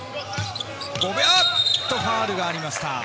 ファウルがありました。